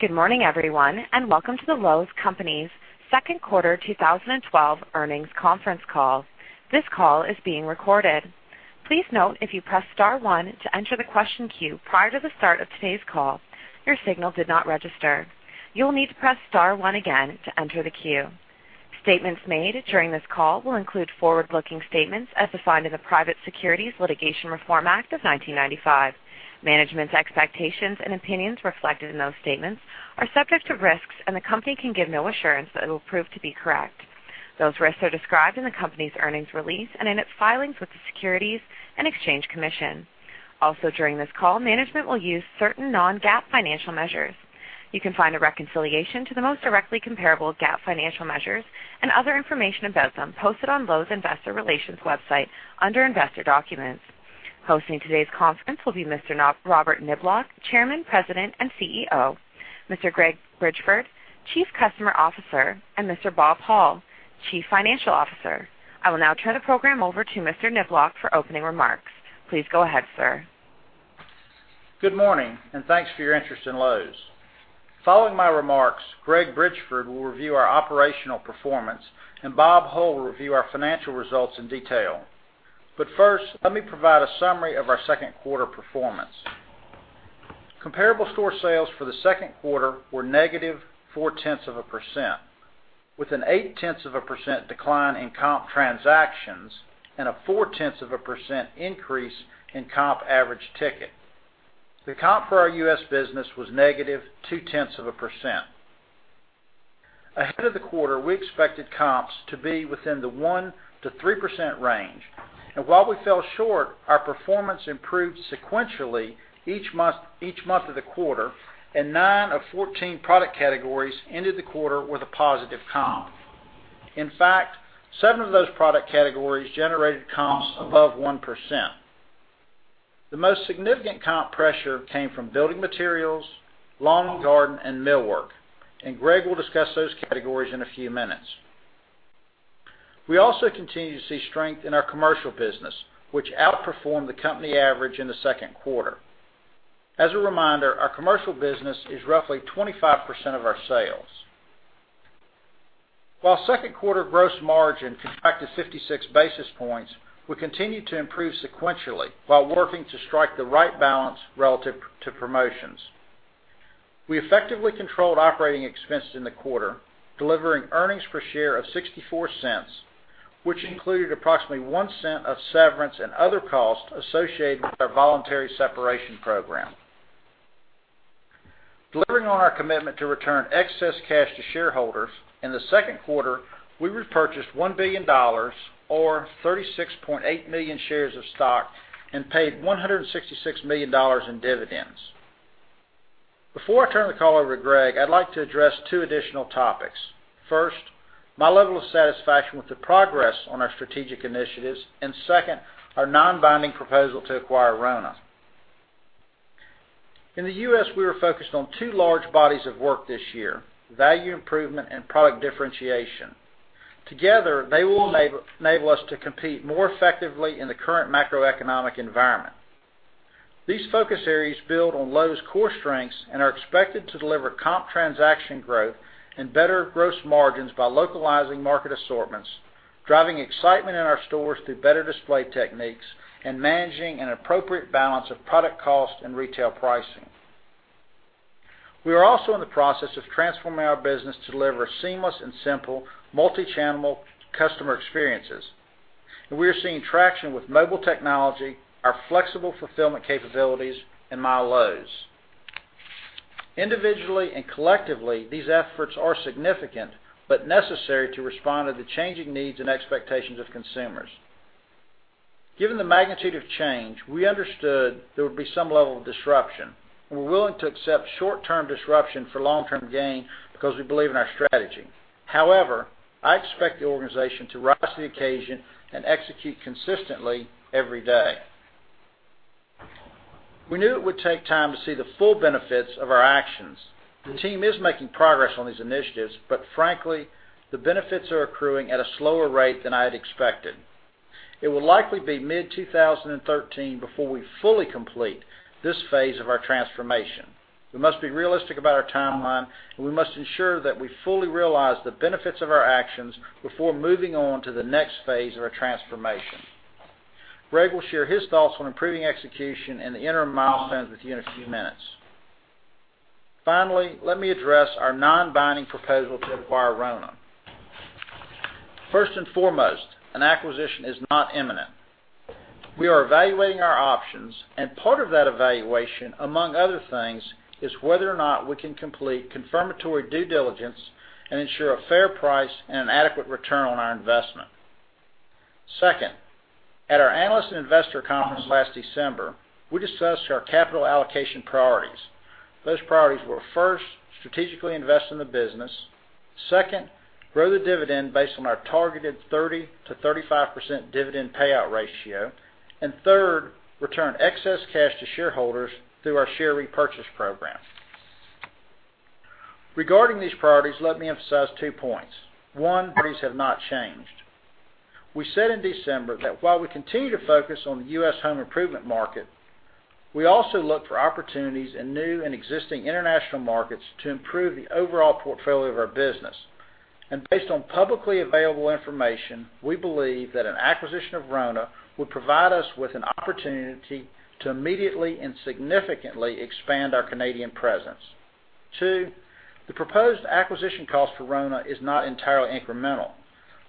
Good morning, everyone, and welcome to the Lowe's Companies' second quarter 2012 earnings conference call. This call is being recorded. Please note if you press star one to enter the question queue prior to the start of today's call, your signal did not register. You'll need to press star one again to enter the queue. Statements made during this call will include forward-looking statements as defined in the Private Securities Litigation Reform Act of 1995. Management's expectations and opinions reflected in those statements are subject to risks, and the company can give no assurance that it will prove to be correct. Those risks are described in the company's earnings release and in its filings with the Securities and Exchange Commission. Also during this call, management will use certain non-GAAP financial measures. You can find a reconciliation to the most directly comparable GAAP financial measures and other information about them posted on Lowe's Investor Relations website under Investor Documents. Hosting today's conference will be Mr. Robert Niblock, Chairman, President, and CEO, Mr. Greg Bridgeford, Chief Customer Officer, and Mr. Bob Hull, Chief Financial Officer. I will now turn the program over to Mr. Niblock for opening remarks. Please go ahead, sir. Good morning. Thanks for your interest in Lowe's. Following my remarks, Greg Bridgeford will review our operational performance, Bob Hull will review our financial results in detail. First, let me provide a summary of our second quarter performance. Comparable store sales for the second quarter were negative 0.4%, with an 0.8% decline in comp transactions and a 0.4% increase in comp average ticket. The comp for our U.S. business was negative 0.2%. Ahead of the quarter, we expected comps to be within the 1%-3% range. While we fell short, our performance improved sequentially each month of the quarter, and nine of 14 product categories ended the quarter with a positive comp. In fact, seven of those product categories generated comps above 1%. The most significant comp pressure came from building materials, lawn and garden, and millwork. Greg will discuss those categories in a few minutes. We also continue to see strength in our commercial business, which outperformed the company average in the second quarter. As a reminder, our commercial business is roughly 25% of our sales. While second quarter gross margin contracted 56 basis points, we continued to improve sequentially while working to strike the right balance relative to promotions. We effectively controlled operating expenses in the quarter, delivering earnings per share of $0.64, which included approximately $0.01 of severance and other costs associated with our voluntary separation program. Delivering on our commitment to return excess cash to shareholders, in the second quarter, we repurchased $1 billion or 36.8 million shares of stock and paid $166 million in dividends. Before I turn the call over to Greg, I'd like to address two additional topics. First, my level of satisfaction with the progress on our strategic initiatives, and second, our non-binding proposal to acquire RONA. In the U.S., we were focused on two large bodies of work this year, value improvement and product differentiation. Together, they will enable us to compete more effectively in the current macroeconomic environment. These focus areas build on Lowe's core strengths and are expected to deliver comp transaction growth and better gross margins by localizing market assortments, driving excitement in our stores through better display techniques, and managing an appropriate balance of product cost and retail pricing. We are also in the process of transforming our business to deliver seamless and simple multi-channel customer experiences. We are seeing traction with mobile technology, our flexible fulfillment capabilities, and myLowe's. Individually and collectively, these efforts are significant but necessary to respond to the changing needs and expectations of consumers. Given the magnitude of change, we understood there would be some level of disruption. We're willing to accept short-term disruption for long-term gain because we believe in our strategy. However, I expect the organization to rise to the occasion and execute consistently every day. We knew it would take time to see the full benefits of our actions. The team is making progress on these initiatives, but frankly, the benefits are accruing at a slower rate than I had expected. It will likely be mid-2013 before we fully complete this phase of our transformation. We must be realistic about our timeline, and we must ensure that we fully realize the benefits of our actions before moving on to the next phase of our transformation. Greg will share his thoughts on improving execution and the interim milestones with you in a few minutes. Finally, let me address our non-binding proposal to acquire RONA. First and foremost, an acquisition is not imminent. We are evaluating our options, and part of that evaluation, among other things, is whether or not we can complete confirmatory due diligence and ensure a fair price and an adequate return on our investment. Second, at our Analyst and Investor Conference last December, we discussed our capital allocation priorities. Those priorities were, first, strategically invest in the business. Second, grow the dividend based on our targeted 30%-35% dividend payout ratio. Third, return excess cash to shareholders through our share repurchase program. Regarding these priorities, let me emphasize two points. One, priorities have not changed. We said in December that while we continue to focus on the U.S. home improvement market, we also look for opportunities in new and existing international markets to improve the overall portfolio of our business. Based on publicly available information, we believe that an acquisition of RONA would provide us with an opportunity to immediately and significantly expand our Canadian presence. Two, the proposed acquisition cost for RONA is not entirely incremental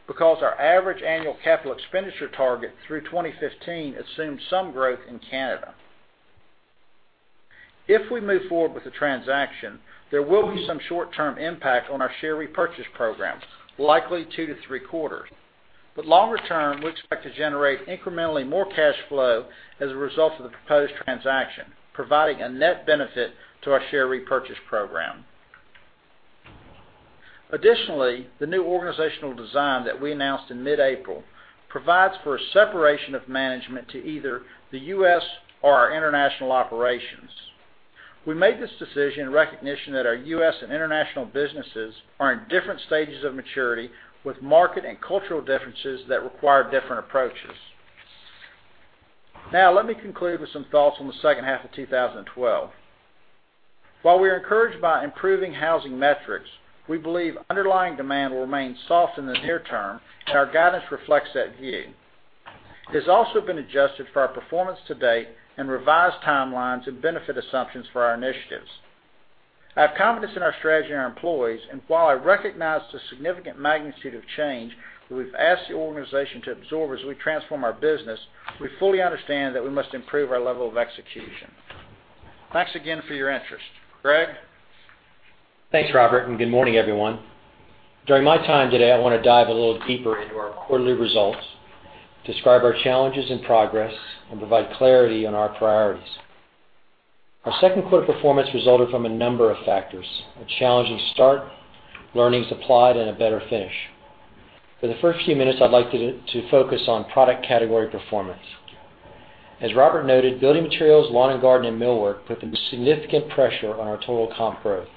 because our average annual capital expenditure target through 2015 assumes some growth in Canada. If we move forward with the transaction, there will be some short-term impact on our share repurchase program, likely 2-3 quarters. Longer term, we expect to generate incrementally more cash flow as a result of the proposed transaction, providing a net benefit to our share repurchase program. Additionally, the new organizational design that we announced in mid-April provides for a separation of management to either the U.S. or our international operations. We made this decision in recognition that our U.S. and international businesses are in different stages of maturity with market and cultural differences that require different approaches. Let me conclude with some thoughts on the second half of 2012. While we are encouraged by improving housing metrics, we believe underlying demand will remain soft in the near term, and our guidance reflects that view. It has also been adjusted for our performance to date and revised timelines and benefit assumptions for our initiatives. I have confidence in our strategy and our employees, and while I recognize the significant magnitude of change that we've asked the organization to absorb as we transform our business, we fully understand that we must improve our level of execution. Thanks again for your interest. Greg? Thanks, Robert, good morning, everyone. During my time today, I want to dive a little deeper into our quarterly results, describe our challenges and progress, and provide clarity on our priorities. Our second quarter performance resulted from a number of factors, a challenging start, learnings applied, and a better finish. For the first few minutes, I'd like to focus on product category performance. As Robert noted, building materials, lawn and garden, and millwork put significant pressure on our total comp growth.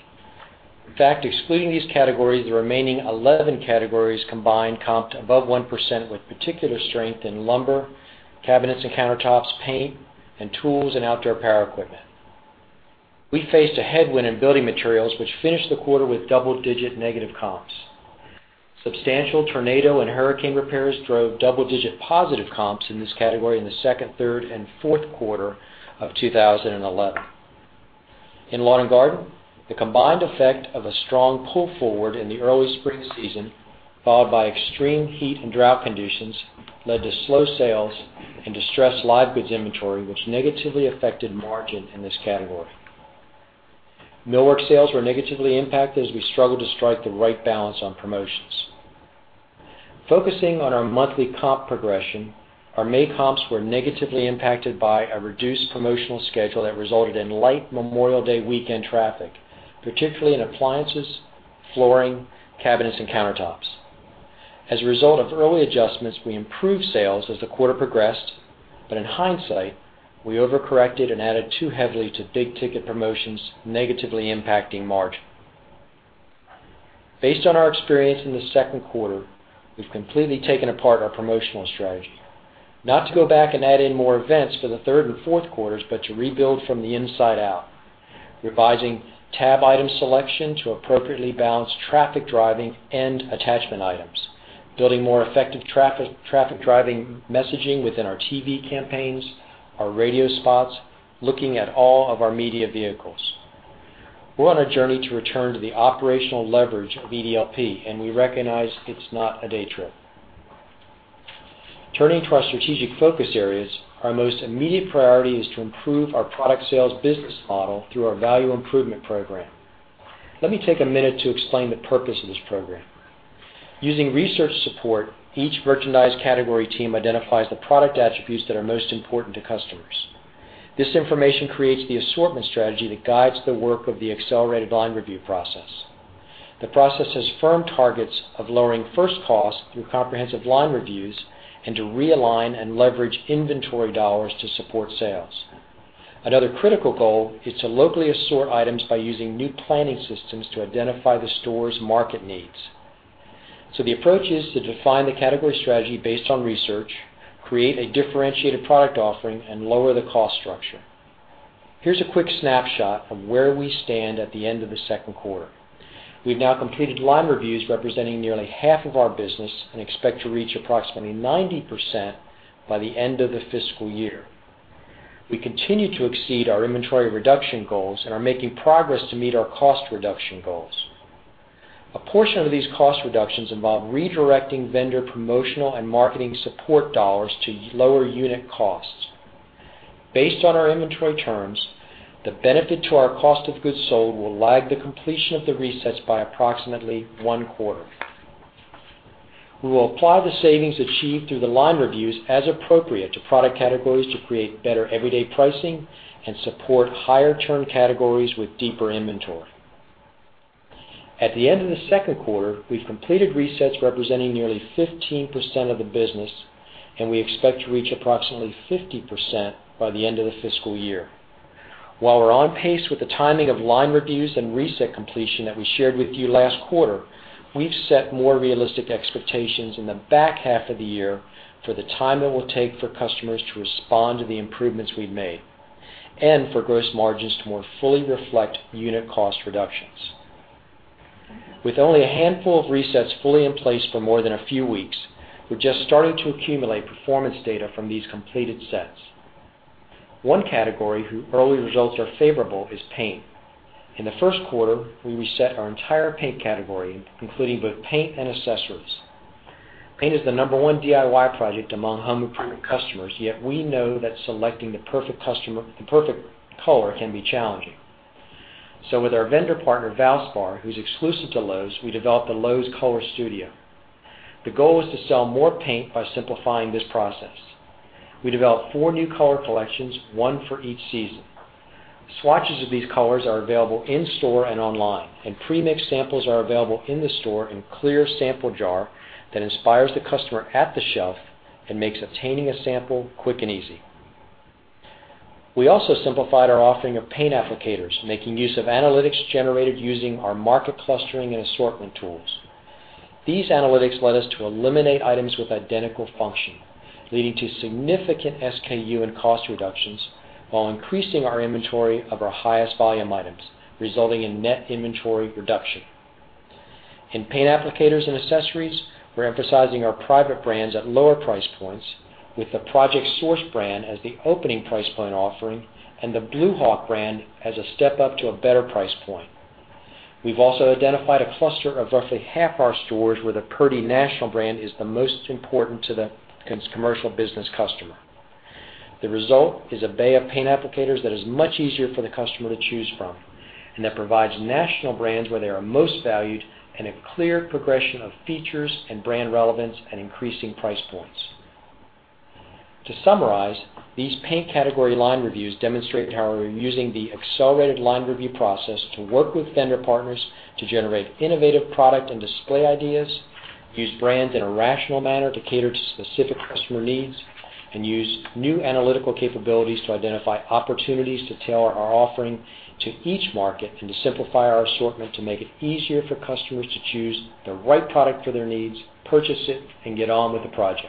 In fact, excluding these categories, the remaining 11 categories combined comped above 1% with particular strength in lumber, cabinets and countertops, paint, and tools and outdoor power equipment. We faced a headwind in building materials, which finished the quarter with double-digit negative comps. Substantial tornado and hurricane repairs drove double-digit positive comps in this category in the second, third, and fourth quarter of 2011. In lawn and garden, the combined effect of a strong pull forward in the early spring season, followed by extreme heat and drought conditions, led to slow sales and distressed live goods inventory, which negatively affected margin in this category. Millwork sales were negatively impacted as we struggled to strike the right balance on promotions. Focusing on our monthly comp progression, our May comps were negatively impacted by a reduced promotional schedule that resulted in light Memorial Day weekend traffic, particularly in appliances, flooring, cabinets, and countertops. As a result of early adjustments, we improved sales as the quarter progressed, but in hindsight, we overcorrected and added too heavily to big-ticket promotions, negatively impacting margin. Based on our experience in the second quarter, we've completely taken apart our promotional strategy. Not to go back and add in more events for the third and fourth quarters, but to rebuild from the inside out, revising tab item selection to appropriately balance traffic driving and attachment items, building more effective traffic-driving messaging within our TV campaigns, our radio spots, looking at all of our media vehicles. We're on a journey to return to the operational leverage of EDLP, and we recognize it's not a day trip. Turning to our strategic focus areas, our most immediate priority is to improve our product sales business model through our Value Improvement Program. Let me take a minute to explain the purpose of this program. Using research support, each merchandise category team identifies the product attributes that are most important to customers. This information creates the assortment strategy that guides the work of the accelerated line review process. The process has firm targets of lowering first costs through comprehensive line reviews and to realign and leverage inventory dollars to support sales. Another critical goal is to locally assort items by using new planning systems to identify the store's market needs. The approach is to define the category strategy based on research, create a differentiated product offering, and lower the cost structure. Here's a quick snapshot of where we stand at the end of the second quarter. We've now completed line reviews representing nearly half of our business and expect to reach approximately 90% by the end of the fiscal year. We continue to exceed our inventory reduction goals and are making progress to meet our cost reduction goals. A portion of these cost reductions involve redirecting vendor promotional and marketing support dollars to lower unit costs. Based on our inventory terms, the benefit to our cost of goods sold will lag the completion of the resets by approximately one quarter. We will apply the savings achieved through the line reviews as appropriate to product categories to create better everyday pricing and support higher turn categories with deeper inventory. At the end of the second quarter, we've completed resets representing nearly 15% of the business, and we expect to reach approximately 50% by the end of the fiscal year. While we're on pace with the timing of line reviews and reset completion that we shared with you last quarter, we've set more realistic expectations in the back half of the year for the time that it will take for customers to respond to the improvements we've made and for gross margins to more fully reflect unit cost reductions. With only a handful of resets fully in place for more than a few weeks, we're just starting to accumulate performance data from these completed sets. One category whose early results are favorable is paint. In the first quarter, we reset our entire paint category, including both paint and accessories. Paint is the number 1 DIY project among home improvement customers, yet we know that selecting the perfect color can be challenging. With our vendor partner, Valspar, who's exclusive to Lowe's, we developed the Lowe's Color Studio. The goal is to sell more paint by simplifying this process. We developed four new color collections, one for each season. Swatches of these colors are available in-store and online, and pre-mixed samples are available in the store in a clear sample jar that inspires the customer at the shelf and makes obtaining a sample quick and easy. We also simplified our offering of paint applicators, making use of analytics generated using our market clustering and assortment tools. These analytics led us to eliminate items with identical function, leading to significant SKU and cost reductions while increasing our inventory of our highest volume items, resulting in net inventory reduction. In paint applicators and accessories, we're emphasizing our private brands at lower price points with the Project Source brand as the opening price point offering and the Blue Hawk brand as a step up to a better price point. We've also identified a cluster of roughly half our stores where the Purdy national brand is the most important to the commercial business customer. The result is a bay of paint applicators that is much easier for the customer to choose from, and that provides national brands where they are most valued in a clear progression of features and brand relevance at increasing price points. To summarize, these paint category line reviews demonstrate how we're using the accelerated line review process to work with vendor partners to generate innovative product and display ideas, use brands in a rational manner to cater to specific customer needs, and use new analytical capabilities to identify opportunities to tailor our offering to each market and to simplify our assortment to make it easier for customers to choose the right product for their needs, purchase it, and get on with the project.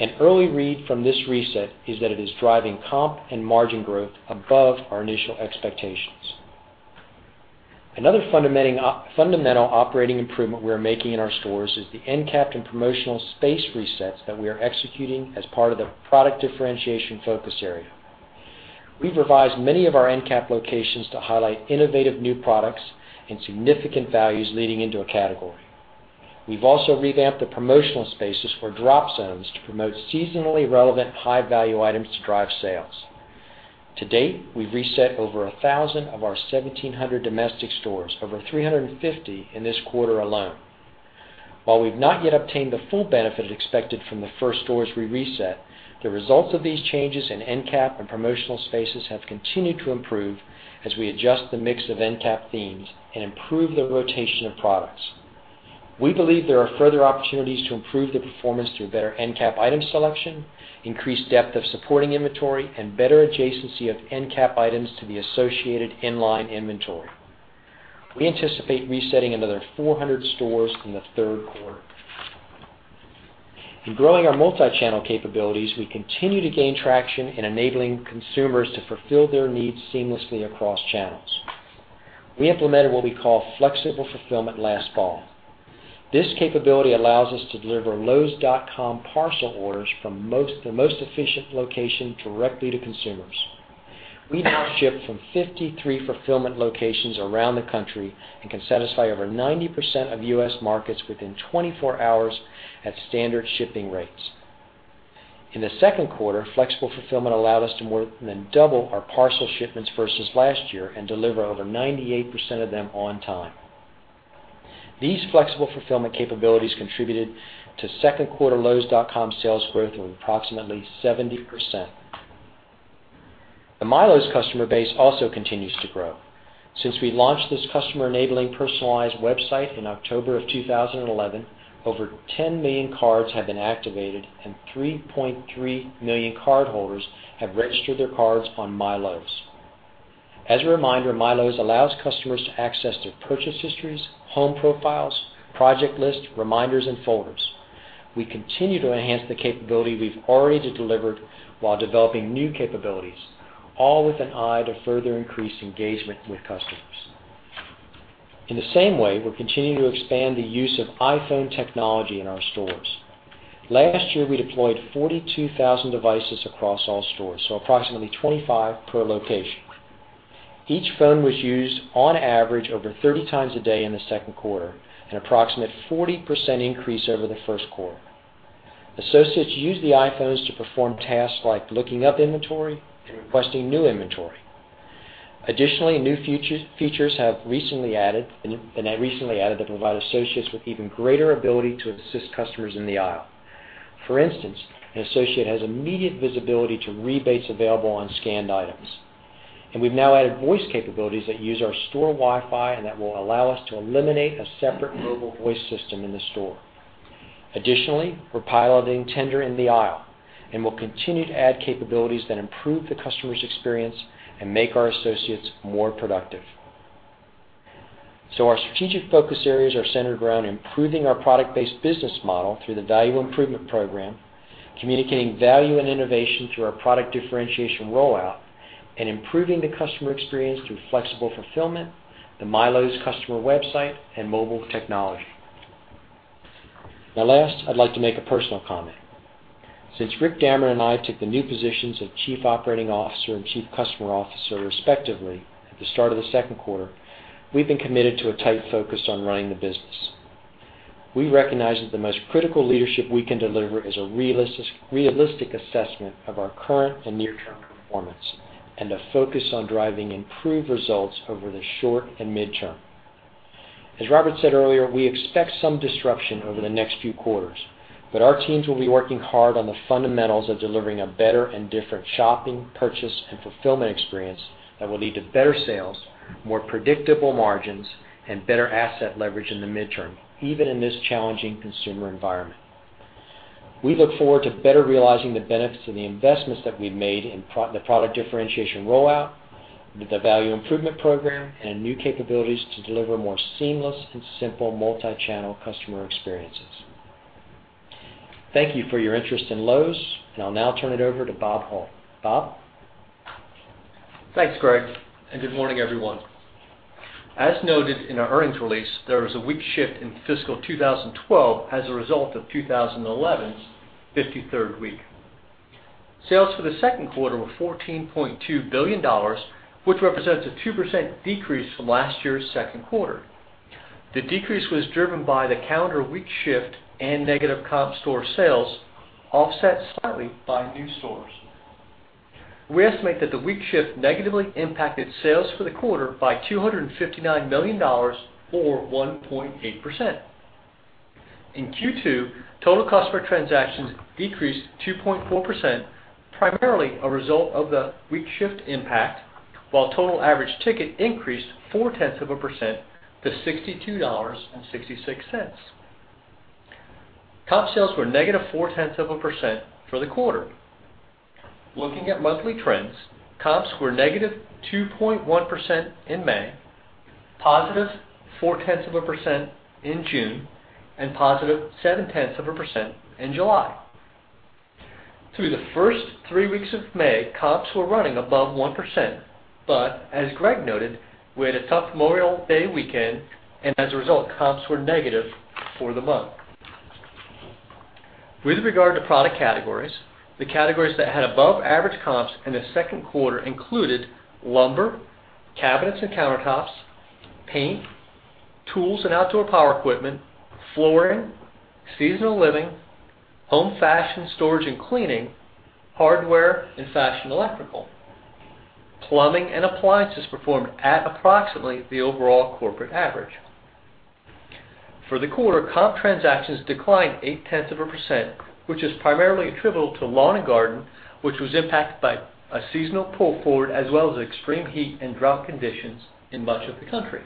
An early read from this reset is that it is driving comp and margin growth above our initial expectations. Another fundamental operating improvement we're making in our stores is the end-cap and promotional space resets that we are executing as part of the product differentiation focus area. We've revised many of our end-cap locations to highlight innovative new products and significant values leading into a category. We've also revamped the promotional spaces for drop zones to promote seasonally relevant high-value items to drive sales. To date, we've reset over 1,000 of our 1,700 domestic stores, over 350 in this quarter alone. While we've not yet obtained the full benefit expected from the first stores we reset, the results of these changes in end-cap and promotional spaces have continued to improve as we adjust the mix of end-cap themes and improve the rotation of products. We believe there are further opportunities to improve the performance through better end-cap item selection, increased depth of supporting inventory, and better adjacency of end-cap items to the associated in-line inventory. We anticipate resetting another 400 stores in the third quarter. In growing our multi-channel capabilities, we continue to gain traction in enabling consumers to fulfill their needs seamlessly across channels. We implemented what we call Flexible Fulfillment last fall. This capability allows us to deliver lowes.com parcel orders from the most efficient location directly to consumers. We now ship from 53 fulfillment locations around the country and can satisfy over 90% of U.S. markets within 24 hours at standard shipping rates. In the second quarter, Flexible Fulfillment allowed us to more than double our parcel shipments versus last year and deliver over 98% of them on time. These flexible fulfillment capabilities contributed to second quarter lowes.com sales growth of approximately 70%. The MyLowe's customer base also continues to grow. Since we launched this customer-enabling personalized website in October of 2011, over 10 million cards have been activated, and 3.3 million cardholders have registered their cards on MyLowe's. As a reminder, MyLowe's allows customers to access their purchase histories, home profiles, project lists, reminders, and folders. We continue to enhance the capability we've already delivered while developing new capabilities, all with an eye to further increase engagement with customers. In the same way, we're continuing to expand the use of iPhone technology in our stores. Last year, we deployed 42,000 devices across all stores, so approximately 25 per location. Each phone was used on average over 30 times a day in the second quarter, an approximate 40% increase over the first quarter. Associates use the iPhones to perform tasks like looking up inventory and requesting new inventory. Additionally, new features have been recently added that provide associates with even greater ability to assist customers in the aisle. For instance, an associate has immediate visibility to rebates available on scanned items. We've now added voice capabilities that use our store Wi-Fi and that will allow us to eliminate a separate mobile voice system in the store. Additionally, we're piloting Tender in the aisle, and we'll continue to add capabilities that improve the customer's experience and make our associates more productive. Our strategic focus areas are centered around improving our product-based business model through the Value Improvement Program, communicating value and innovation through our Product Differentiation Rollout, and improving the customer experience through flexible fulfillment, the MyLowe's customer website, and mobile technology. Last, I'd like to make a personal comment. Since Rick Damron and I took the new positions of Chief Operating Officer and Chief Customer Officer, respectively, at the start of the second quarter, we've been committed to a tight focus on running the business. We recognize that the most critical leadership we can deliver is a realistic assessment of our current and near-term performance and a focus on driving improved results over the short and mid-term. As Robert said earlier, we expect some disruption over the next few quarters, our teams will be working hard on the fundamentals of delivering a better and different shopping, purchase, and fulfillment experience that will lead to better sales, more predictable margins, and better asset leverage in the mid-term, even in this challenging consumer environment. We look forward to better realizing the benefits and the investments that we've made in the Product Differentiation Rollout, with the Value Improvement Program, and new capabilities to deliver more seamless and simple multi-channel customer experiences. Thank you for your interest in Lowe's. I'll now turn it over to Bob Hull. Bob? Thanks, Gregory. Good morning, everyone. As noted in our earnings release, there was a week shift in fiscal 2012 as a result of 2011's 53rd week. Sales for the second quarter were $14.2 billion, which represents a 2% decrease from last year's second quarter. The decrease was driven by the calendar week shift and negative comp store sales, offset slightly by new stores. We estimate that the week shift negatively impacted sales for the quarter by $259 million, or 1.8%. In Q2, total customer transactions decreased 2.4%, primarily a result of the week shift impact, while total average ticket increased four-tenths of a percent to $62.66. Comp sales were negative four-tenths of a percent for the quarter. Looking at monthly trends, comps were negative 2.1% in May, positive four-tenths of a percent in June, and positive seven-tenths of a percent in July. Through the first three weeks of May, comps were running above 1%. As Gregory noted, we had a tough Memorial Day weekend, as a result, comps were negative for the month. With regard to product categories, the categories that had above-average comps in the second quarter included lumber, cabinets and countertops, paint, tools and outdoor power equipment, flooring, seasonal living, home fashion, storage and cleaning, hardware, and fashion electrical. Plumbing and appliances performed at approximately the overall corporate average. For the quarter, comp transactions declined eight-tenths of a percent, which is primarily attributable to lawn and garden, which was impacted by a seasonal pull forward as well as extreme heat and drought conditions in much of the country.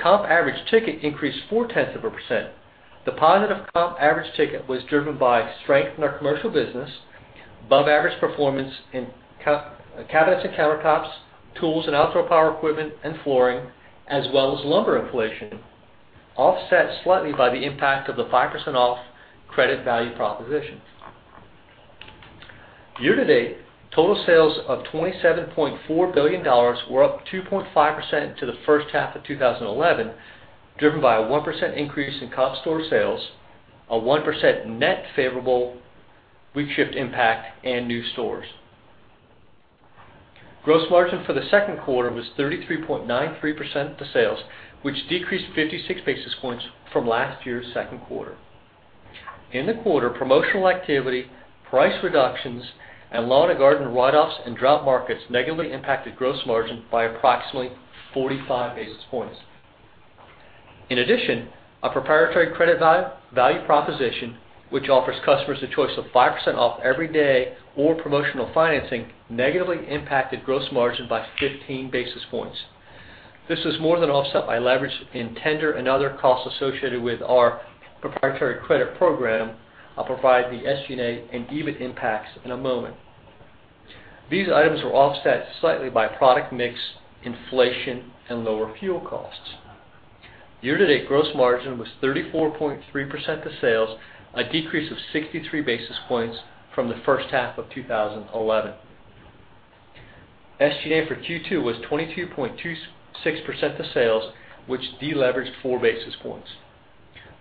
Comp average ticket increased four-tenths of a percent. The positive comp average ticket was driven by strength in our commercial business, above-average performance in cabinets and countertops, tools and outdoor power equipment, and flooring, as well as lumber inflation, offset slightly by the impact of the 5% off credit value proposition. Year-to-date, total sales of $27.4 billion were up 2.5% to the first half of 2011, driven by a 1% increase in comp store sales, a 1% net favorable week shift impact, and new stores. Gross margin for the second quarter was 33.93% of sales, which decreased 56 basis points from last year's second quarter. In the quarter, promotional activity, price reductions, and lawn and garden write-offs in drought markets negatively impacted gross margin by approximately 45 basis points. A proprietary credit value proposition, which offers customers the choice of 5% off every day or promotional financing, negatively impacted gross margin by 15 basis points. This was more than offset by leverage in tender and other costs associated with our proprietary credit program. I'll provide the SG&A and EBIT impacts in a moment. These items were offset slightly by product mix, inflation, and lower fuel costs. Year-to-date gross margin was 34.3% of sales, a decrease of 63 basis points from the first half of 2011. SG&A for Q2 was 22.26% of sales, which deleveraged four basis points.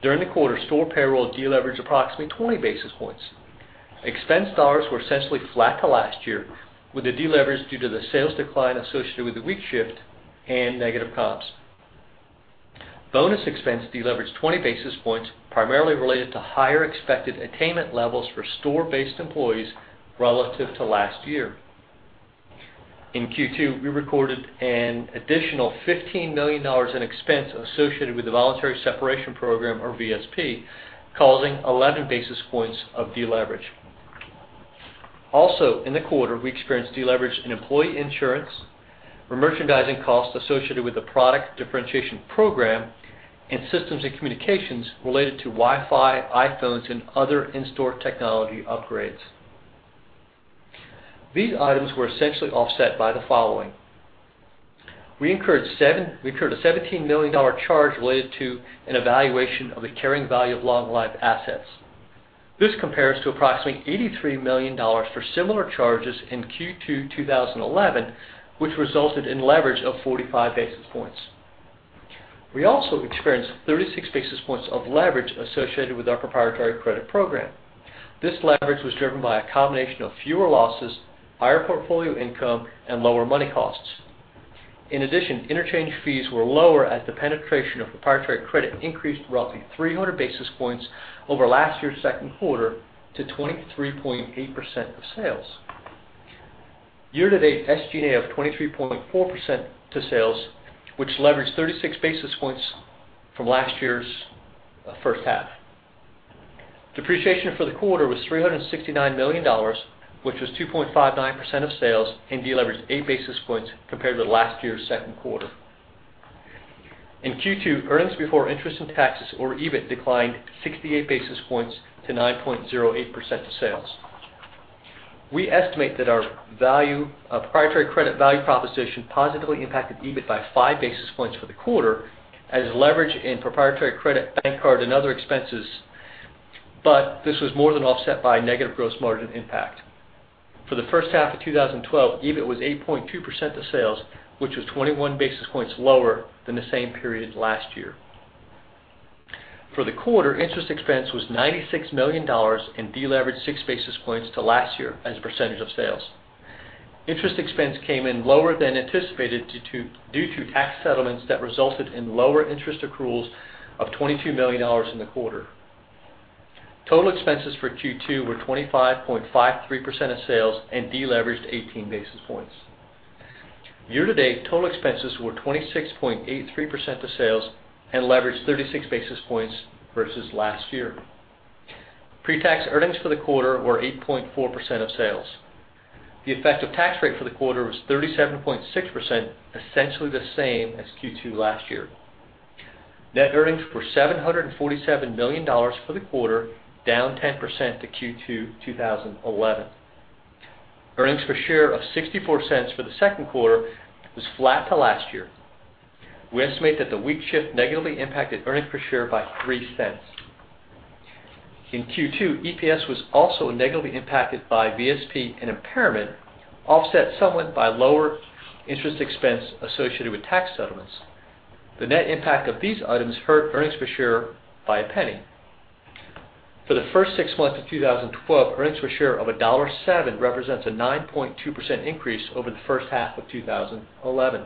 During the quarter, store payroll deleveraged approximately 20 basis points. Expense dollars were essentially flat to last year, with the deleverage due to the sales decline associated with the week shift and negative comps. Bonus expense deleveraged 20 basis points, primarily related to higher expected attainment levels for store-based employees relative to last year. In Q2, we recorded an additional $15 million in expense associated with the voluntary separation program, or VSP, causing 11 basis points of deleverage. Also in the quarter, we experienced deleverage in employee insurance, from merchandising costs associated with the product differentiation program, and systems and communications related to Wi-Fi, iPhones, and other in-store technology upgrades. These items were essentially offset by the following. We incurred a $17 million charge related to an evaluation of the carrying value of long-lived assets. This compares to approximately $83 million for similar charges in Q2 2011, which resulted in leverage of 45 basis points. We also experienced 36 basis points of leverage associated with our proprietary credit program. This leverage was driven by a combination of fewer losses, higher portfolio income, and lower money costs. In addition, interchange fees were lower as the penetration of proprietary credit increased roughly 300 basis points over last year's second quarter to 23.8% of sales. Year-to-date, SG&A of 23.4% to sales, which leveraged 36 basis points from last year's first half. Depreciation for the quarter was $369 million, which was 2.59% of sales, and deleveraged eight basis points compared to last year's second quarter. In Q2, earnings before interest and taxes, or EBIT, declined 68 basis points to 9.08% of sales. We estimate that our proprietary credit value proposition positively impacted EBIT by five basis points for the quarter as leverage in proprietary credit, bank card, and other expenses, but this was more than offset by a negative gross margin impact. For the first half of 2012, EBIT was 8.2% of sales, which was 21 basis points lower than the same period last year. For the quarter, interest expense was $96 million and deleveraged six basis points to last year as a percentage of sales. Interest expense came in lower than anticipated due to tax settlements that resulted in lower interest accruals of $22 million in the quarter. Total expenses for Q2 were 25.53% of sales and deleveraged 18 basis points. Year-to-date, total expenses were 26.83% of sales and leveraged 36 basis points versus last year. Pre-tax earnings for the quarter were 8.4% of sales. The effective tax rate for the quarter was 37.6%, essentially the same as Q2 last year. Net earnings were $747 million for the quarter, down 10% to Q2 2011. Earnings per share of $0.64 for the second quarter was flat to last year. We estimate that the week shift negatively impacted earnings per share by $0.03. In Q2, EPS was also negatively impacted by VSP and impairment, offset somewhat by lower interest expense associated with tax settlements. The net impact of these items hurt earnings per share by $0.01. For the first six months of 2012, earnings per share of $1.07 represents a 9.2% increase over the first half of 2011.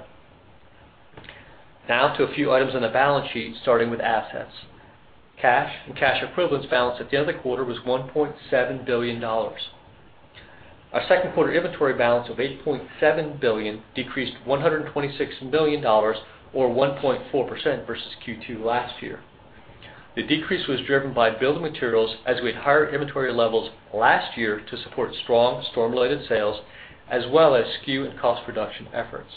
To a few items on the balance sheet, starting with assets. Cash and cash equivalents balance at the end of the quarter was $1.7 billion. Our second quarter inventory balance of $8.7 billion decreased $126 million, or 1.4% versus Q2 last year. The decrease was driven by building materials as we had higher inventory levels last year to support strong storm-related sales, as well as SKU and cost reduction efforts.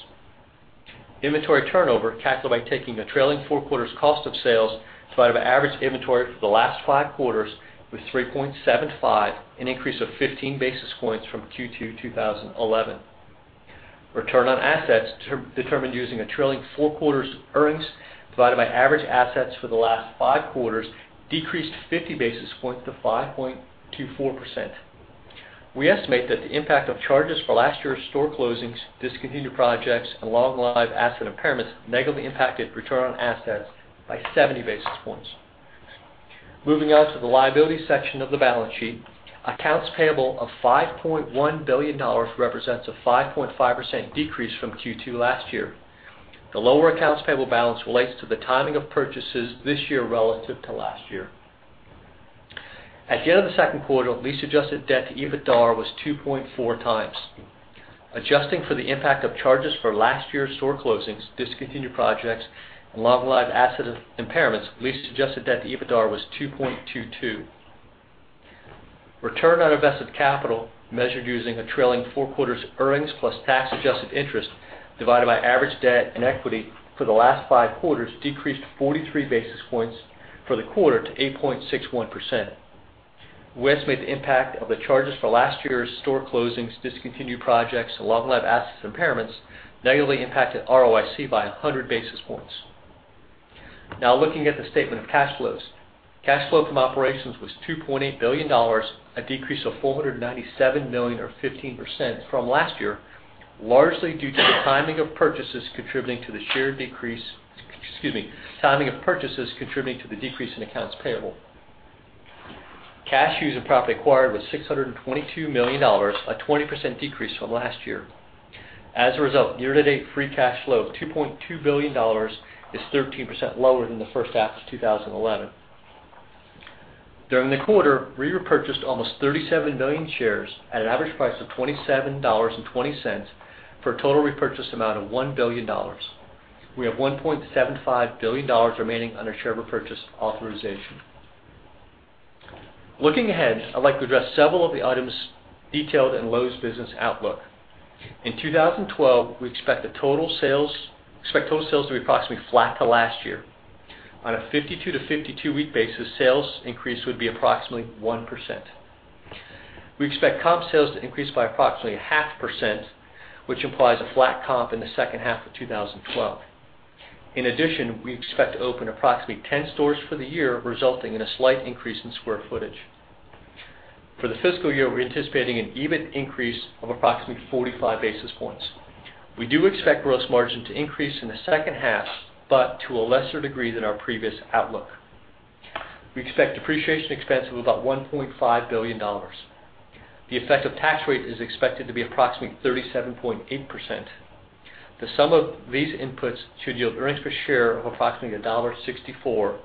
Inventory turnover, calculated by taking the trailing four quarters cost of sales divided by average inventory for the last five quarters, was 3.75, an increase of 15 basis points from Q2 2011. Return on assets, determined using a trailing four quarters earnings divided by average assets for the last five quarters, decreased 50 basis points to 5.24%. We estimate that the impact of charges for last year's store closings, discontinued projects, and long-lived asset impairments negatively impacted return on assets by 70 basis points. Moving on to the liability section of the balance sheet. Accounts payable of $5.1 billion represents a 5.5% decrease from Q2 last year. The lower accounts payable balance relates to the timing of purchases this year relative to last year. At the end of the second quarter, lease-adjusted debt to EBITDAR was 2.4 times. Adjusting for the impact of charges for last year's store closings, discontinued projects, and long-lived asset impairments, lease-adjusted debt to EBITDAR was 2.22. Return on invested capital, measured using a trailing four quarters earnings plus tax-adjusted interest divided by average debt and equity for the last five quarters, decreased 43 basis points for the quarter to 8.61%. We estimate the impact of the charges for last year's store closings, discontinued projects, and long-lived assets impairments negatively impacted ROIC by 100 basis points. Now looking at the statement of cash flows. Cash flow from operations was $2.8 billion, a decrease of $497 million or 15% from last year, largely due to the timing of purchases contributing to the decrease in accounts payable. Cash used in property acquired was $622 million, a 20% decrease from last year. As a result, year-to-date free cash flow of $2.2 billion is 13% lower than the first half of 2011. During the quarter, we repurchased almost 37 million shares at an average price of $27.20 for a total repurchase amount of $1 billion. We have $1.75 billion remaining on our share repurchase authorization. Looking ahead, I'd like to address several of the items detailed in Lowe's business outlook. In 2012, we expect total sales to be approximately flat to last year. On a 52-to-52-week basis, sales increase would be approximately 1%. We expect comp sales to increase by approximately half a percent, which implies a flat comp in the second half of 2012. In addition, we expect to open approximately 10 stores for the year, resulting in a slight increase in square footage. For the fiscal year, we're anticipating an EBIT increase of approximately 45 basis points. We do expect gross margin to increase in the second half, but to a lesser degree than our previous outlook. We expect depreciation expense of about $1.5 billion. The effective tax rate is expected to be approximately 37.8%. The sum of these inputs should yield earnings per share of approximately $1.64,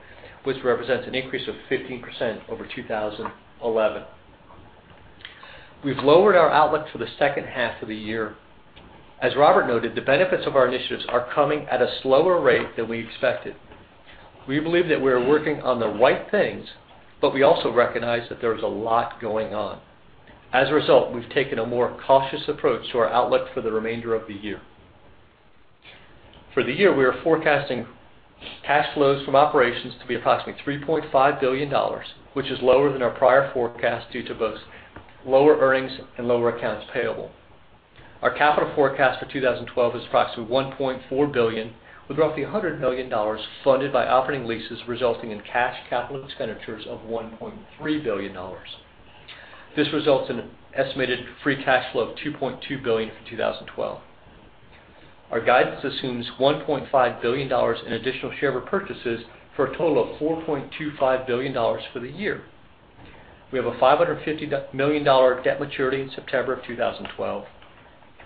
which represents an increase of 15% over 2011. We've lowered our outlook for the second half of the year. As Robert noted, the benefits of our initiatives are coming at a slower rate than we expected. We believe that we are working on the right things, but we also recognize that there is a lot going on. As a result, we've taken a more cautious approach to our outlook for the remainder of the year. For the year, we are forecasting cash flows from operations to be approximately $3.5 billion, which is lower than our prior forecast due to both lower earnings and lower accounts payable. Our capital forecast for 2012 is approximately $1.4 billion, with roughly $100 million funded by operating leases, resulting in cash capital expenditures of $1.3 billion. This results in an estimated free cash flow of $2.2 billion for 2012. Our guidance assumes $1.5 billion in additional share repurchases for a total of $4.25 billion for the year. We have a $550 million debt maturity in September of 2012.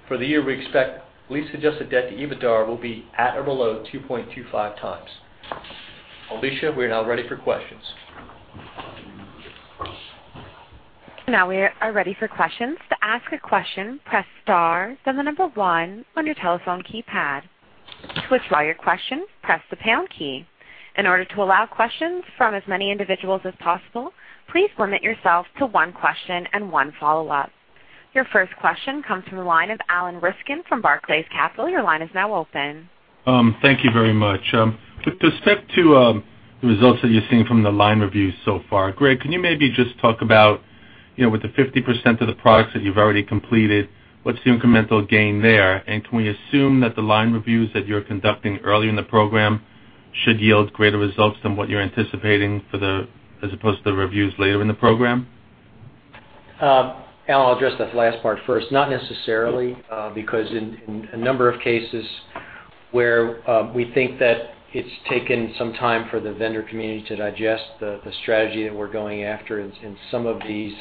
For the year, we expect lease-adjusted debt to EBITDAR will be at or below 2.25 times. Alicia, we are now ready for questions. We are ready for questions. To ask a question, press star 1 on your telephone keypad. To withdraw your question, press the pound key. In order to allow questions from as many individuals as possible, please limit yourself to one question and one follow-up. Your first question comes from the line of Alan Rifkin from Barclays Capital. Your line is now open. Thank you very much. To stick to the results that you're seeing from the line reviews so far, Greg, can you maybe just talk about, with the 50% of the products that you've already completed, what's the incremental gain there? Can we assume that the line reviews that you're conducting early in the program should yield greater results than what you're anticipating as opposed to the reviews later in the program? Alan, I'll address that last part first. Not necessarily, because in a number of cases where we think that it's taken some time for the vendor community to digest the strategy that we're going after in some of these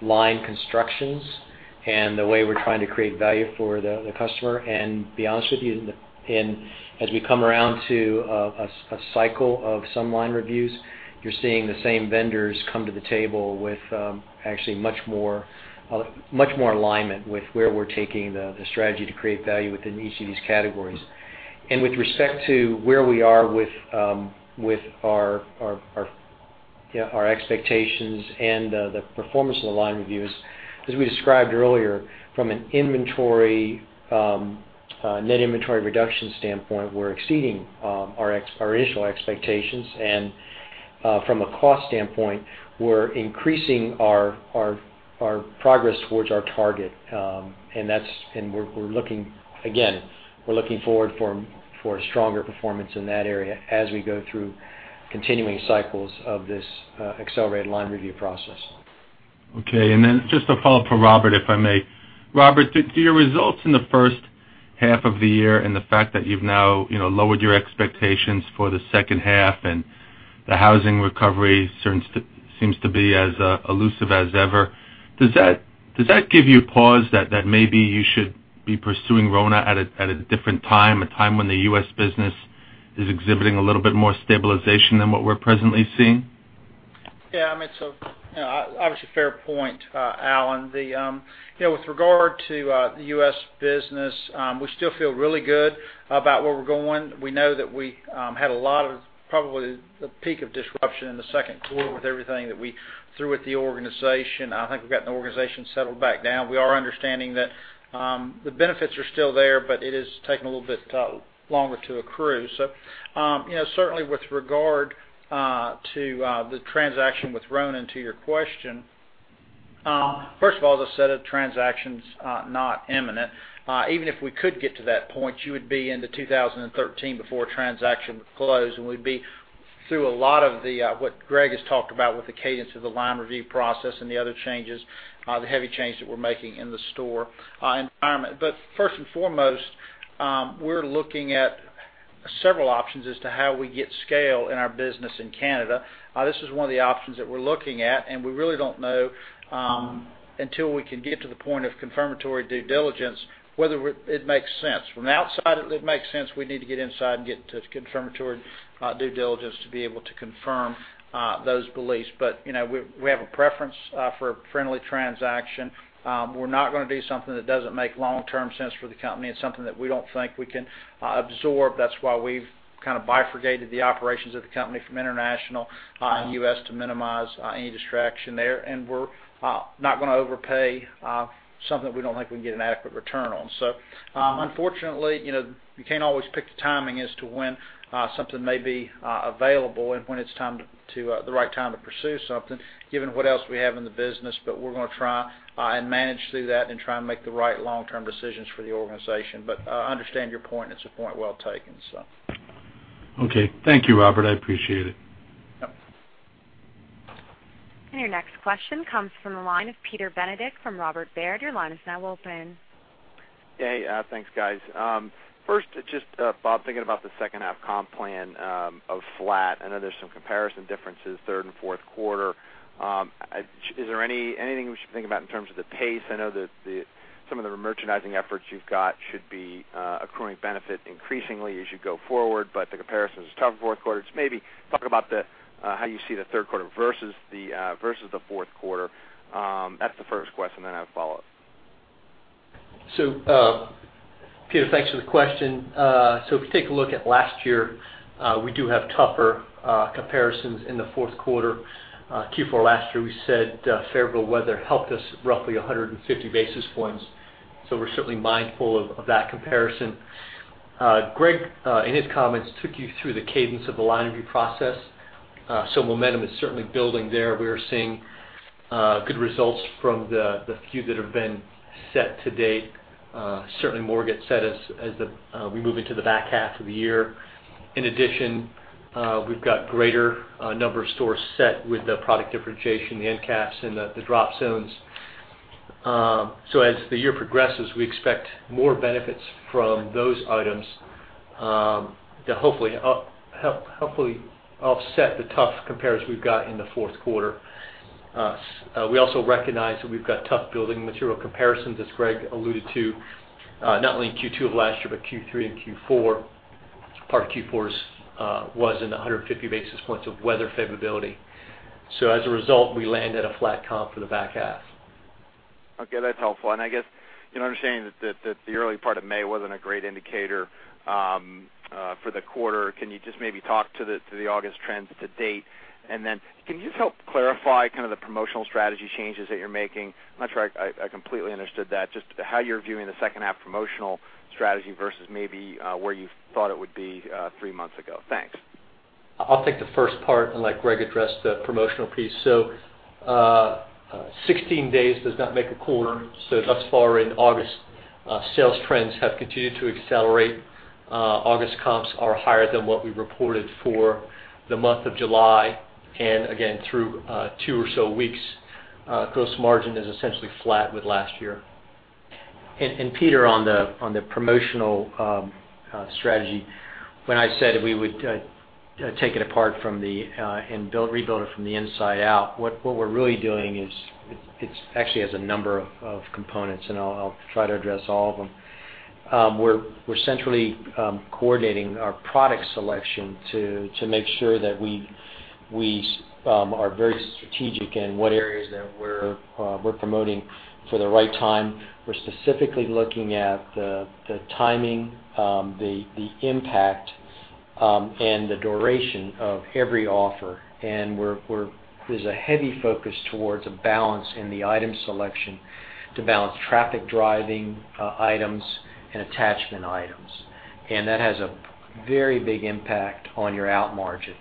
line constructions and the way we're trying to create value for the customer. To be honest with you, as we come around to a cycle of some line reviews, you're seeing the same vendors come to the table with actually much more alignment with where we're taking the strategy to create value within each of these categories. With respect to where we are with our expectations and the performance of the line reviews, as we described earlier, from a net inventory reduction standpoint, we're exceeding our initial expectations. From a cost standpoint, we're increasing our progress towards our target. Again, we're looking forward for a stronger performance in that area as we go through continuing cycles of this accelerated line review process. Okay, just a follow-up for Robert, if I may. Robert, do your results in the first half of the year and the fact that you've now lowered your expectations for the second half and the housing recovery seems to be as elusive as ever, does that give you pause that maybe you should be pursuing RONA at a different time, a time when the U.S. business is exhibiting a little bit more stabilization than what we're presently seeing? Yeah. It's obviously a fair point, Alan. With regard to the U.S. business, we still feel really good about where we're going. We know that we had probably the peak of disruption in the second quarter with everything that we threw at the organization. I think we've gotten the organization settled back down. We are understanding that the benefits are still there, but it is taking a little bit longer to accrue. Certainly with regard to the transaction with RONA, to your question, first of all, as I said, the transaction's not imminent. Even if we could get to that point, you would be into 2013 before transaction would close, and we'd be through a lot of what Greg has talked about with the cadence of the line review process and the other changes, the heavy change that we're making in the store environment. First and foremost, we're looking at several options as to how we get scale in our business in Canada. This is one of the options that we're looking at, and we really don't know until we can get to the point of confirmatory due diligence, whether it makes sense. From the outside, it makes sense. We need to get inside and get to confirmatory due diligence to be able to confirm those beliefs. We have a preference for a friendly transaction. We're not going to do something that doesn't make long-term sense for the company. It's something that we don't think we can absorb. That's why we've kind of bifurcated the operations of the company from international and U.S. to minimize any distraction there. We're not going to overpay something that we don't think we can get an adequate return on. Unfortunately, you can't always pick the timing as to when something may be available and when it's the right time to pursue something, given what else we have in the business. We're going to try and manage through that and try and make the right long-term decisions for the organization. I understand your point. It's a point well taken. Okay. Thank you, Robert. I appreciate it. Yep. Your next question comes from the line of Peter Benedict from Robert W. Baird. Your line is now open. Hey, thanks, guys. First, just, Bob, thinking about the second half comp plan of flat. I know there's some comparison differences, third and fourth quarter. Is there anything we should think about in terms of the pace? I know that some of the merchandising efforts you've got should be accruing benefit increasingly as you go forward, but the comparison's a tough fourth quarter. Maybe talk about how you see the third quarter versus the fourth quarter. That's the first question, I have a follow-up. Peter, thanks for the question. If you take a look at last year, we do have tougher comparisons in the fourth quarter. Q4 last year, we said favorable weather helped us roughly 150 basis points. We're certainly mindful of that comparison. Greg, in his comments, took you through the cadence of the line review process. Momentum is certainly building there. We are seeing good results from the few that have been set to date. Certainly more will get set as we move into the back half of the year. In addition, we've got greater number of stores set with the product differentiation, the end caps, and the drop zones. As the year progresses, we expect more benefits from those items to hopefully offset the tough comparison we've got in the fourth quarter. We also recognize that we've got tough building material comparisons, as Greg alluded to, not only in Q2 of last year, but Q3 and Q4. Part of Q4 was in the 150 basis points of weather favorability. As a result, we land at a flat comp for the back half. Okay, that's helpful. I guess, understanding that the early part of May wasn't a great indicator for the quarter, can you just maybe talk to the August trends to date? Can you just help clarify the promotional strategy changes that you're making? I'm not sure I completely understood that. Just how you're viewing the second half promotional strategy versus maybe where you thought it would be three months ago. Thanks. I'll take the first part and let Greg address the promotional piece. 16 days does not make a quarter. Thus far in August, sales trends have continued to accelerate. August comps are higher than what we reported for the month of July, and again, through two or so weeks. Gross margin is essentially flat with last year. Peter, on the promotional strategy, when I said we would take it apart and rebuild it from the inside out, what we're really doing actually has a number of components, and I'll try to address all of them. We're centrally coordinating our product selection to make sure that we are very strategic in what areas that we're promoting for the right time. We're specifically looking at the timing, the impact, and the duration of every offer. There's a heavy focus towards a balance in the item selection to balance traffic-driving items and attachment items. That has a very big impact on your out margin.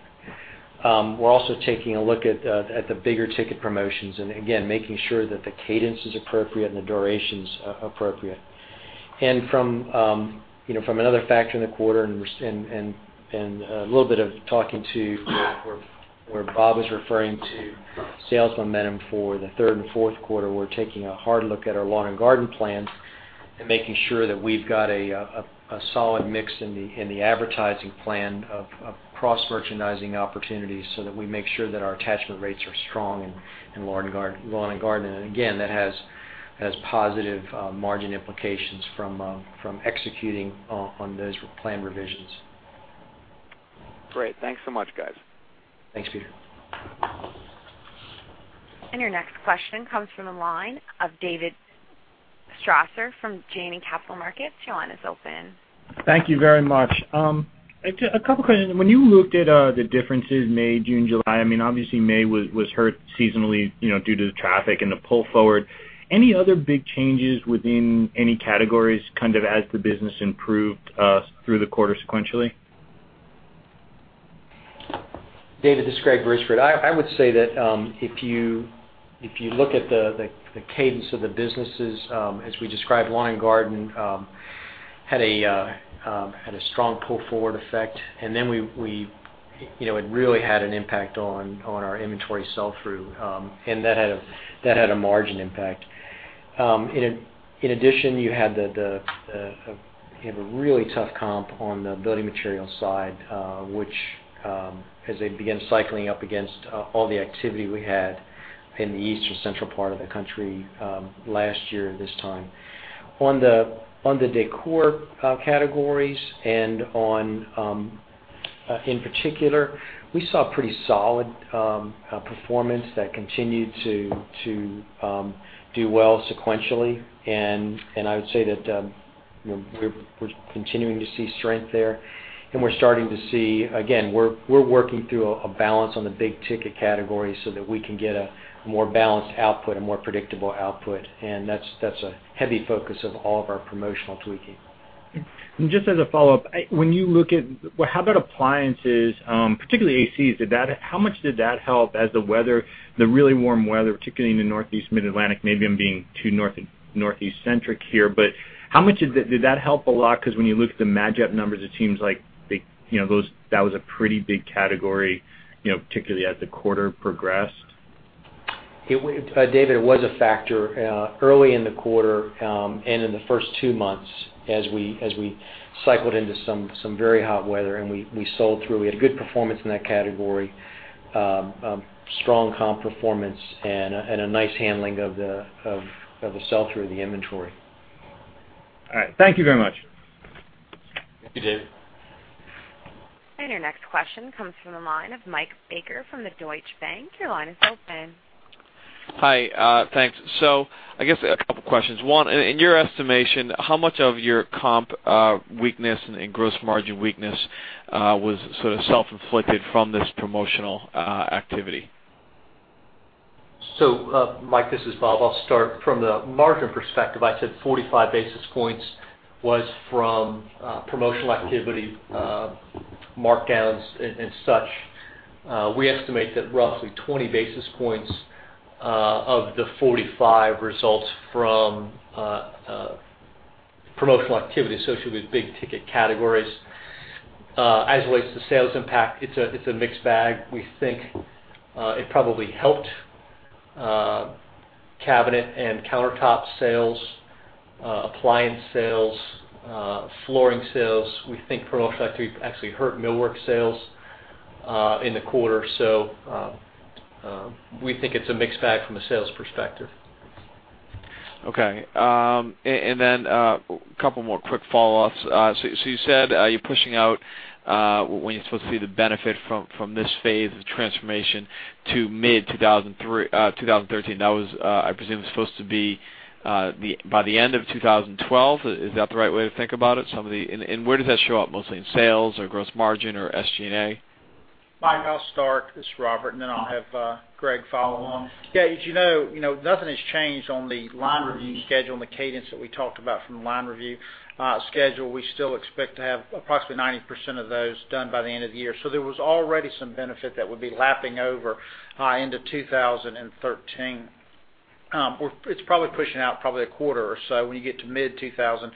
We're also taking a look at the bigger-ticket promotions, again, making sure that the cadence is appropriate and the duration's appropriate. From another factor in the quarter and a little bit of talking to where Bob is referring to sales momentum for the third and fourth quarter, we're taking a hard look at our lawn and garden plans and making sure that we've got a solid mix in the advertising plan of cross-merchandising opportunities so that we make sure that our attachment rates are strong in lawn and garden. Again, that has positive margin implications from executing on those plan revisions. Great. Thanks so much, guys. Thanks, Peter. Your next question comes from the line of David Strasser from Janney Capital Markets. Your line is open. Thank you very much. A couple questions. When you looked at the differences May, June, July, obviously May was hurt seasonally due to the traffic and the pull forward. Any other big changes within any categories as the business improved through the quarter sequentially? David, this is Gregory Bridgeford. I would say that if you look at the cadence of the businesses, as we described, lawn and garden had a strong pull-forward effect. Then it really had an impact on our inventory sell-through. That had a margin impact. In addition, you had a really tough comp on the building materials side, which as they began cycling up against all the activity we had in the East or Central part of the country last year at this time. On the decor categories and on, in particular, we saw pretty solid performance that continued to do well sequentially. I would say that we're continuing to see strength there and we're starting to see, again, we're working through a balance on the big-ticket categories so that we can get a more balanced output, a more predictable output. That's a heavy focus of all of our promotional tweaking. Just as a follow-up, how about appliances, particularly ACs? How much did that help as the really warm weather, particularly in the Northeast, Mid-Atlantic, maybe I'm being too Northeast-centric here, but how much did that help a lot? Because when you look at the match-up numbers, it seems like that was a pretty big category, particularly as the quarter progressed. David, it was a factor early in the quarter, and in the first two months as we cycled into some very hot weather, and we sold through. We had good performance in that category, strong comp performance, and a nice handling of the sell-through of the inventory. All right. Thank you very much. Thank you, David. Your next question comes from the line of Michael Baker from Deutsche Bank. Your line is open. Hi, thanks. I guess a couple of questions. One, in your estimation, how much of your comp weakness and gross margin weakness was sort of self-inflicted from this promotional activity? Mike, this is Bob. I'll start. From the margin perspective, I said 45 basis points was from promotional activity, markdowns, and such. We estimate that roughly 20 basis points of the 45 results from promotional activity associated with big-ticket categories. As relates to sales impact, it's a mixed bag. We think it probably helped cabinet and countertop sales, appliance sales, flooring sales. We think promotional activity actually hurt millwork sales in the quarter. We think it's a mixed bag from a sales perspective. Okay. Then a couple more quick follow-ups. You said you're pushing out when you're supposed to see the benefit from this phase of the transformation to mid-2013. That was, I presume, supposed to be by the end of 2012. Is that the right way to think about it? Where does that show up mostly, in sales or gross margin or SG&A? Mike, I'll start. This is Robert, then I'll have Greg follow along. Yeah. As you know, nothing has changed on the line review schedule and the cadence that we talked about from the line review schedule. We still expect to have approximately 90% of those done by the end of the year. There was already some benefit that would be lapping over into 2013. It's probably pushing out probably a quarter or so when you get to mid-2013.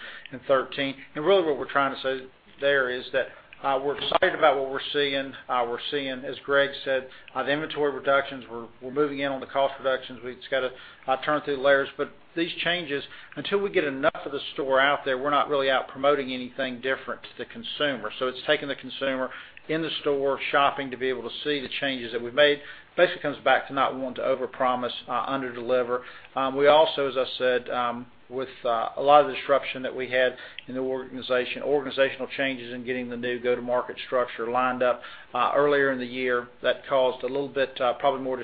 Really what we're trying to say there is that we're excited about what we're seeing. We're seeing, as Greg said, the inventory reductions. We're moving in on the cost reductions. We just got to turn through the layers. These changes, until we get enough of the store out there, we're not really out promoting anything different to the consumer. It's taking the consumer in the store shopping to be able to see the changes that we've made. Basically comes back to not wanting to overpromise, underdeliver. We also, as I said, with a lot of the disruption that we had in the organization, organizational changes in getting the new go-to-market structure lined up earlier in the year, that caused a little bit, probably more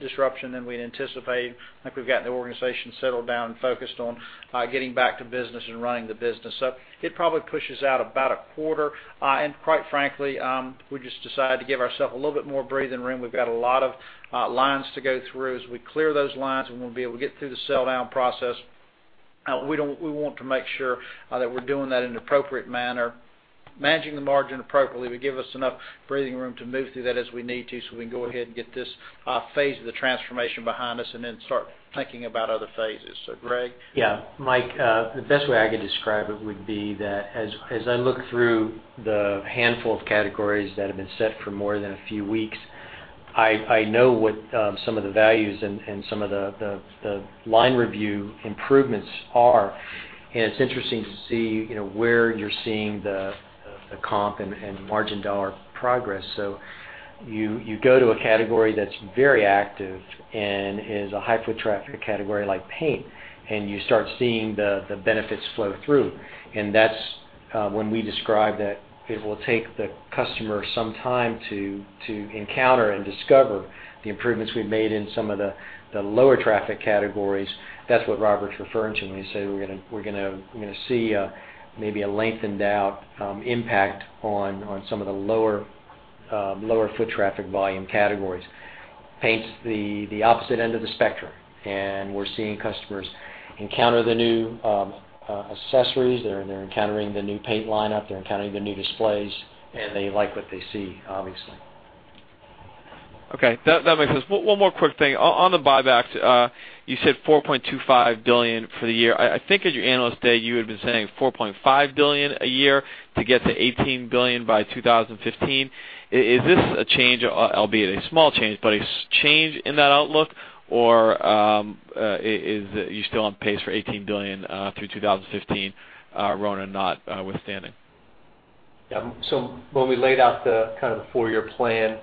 disruption than we'd anticipated. I think we've got the organization settled down and focused on getting back to business and running the business. It probably pushes out about a quarter. Quite frankly, we just decided to give ourselves a little bit more breathing room. We've got a lot of lines to go through. As we clear those lines and we'll be able to get through the sell-down process. We want to make sure that we're doing that in an appropriate manner, managing the margin appropriately to give us enough breathing room to move through that as we need to, we can go ahead and get this phase of the transformation behind us and then start thinking about other phases. Greg? Yeah. Mike, the best way I could describe it would be that as I look through the handful of categories that have been set for more than a few weeks, I know what some of the values and some of the line review improvements are, and it's interesting to see where you're seeing the comp and margin dollar progress. You go to a category that's very active and is a high-foot-traffic category like paint, and you start seeing the benefits flow through. That's when we describe that it will take the customer some time to encounter and discover the improvements we've made in some of the lower traffic categories. That's what Robert's referring to when he say we're going to see maybe a lengthened-out impact on some of the lower foot traffic volume categories. Paint's the opposite end of the spectrum. We're seeing customers encounter the new accessories. They're encountering the new paint lineup. They're encountering the new displays. They like what they see, obviously. Okay. That makes sense. One more quick thing. On the buybacks, you said $4.25 billion for the year. I think at your Analyst Day, you had been saying $4.5 billion a year to get to $18 billion by 2015. Is this a change, albeit a small change, but a change in that outlook, or are you still on pace for $18 billion through 2015, RONA not withstanding? Yeah. When we laid out the four-year plan,